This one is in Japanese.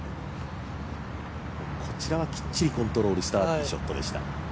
こちらはきっちりコントロールしたティーショットでした。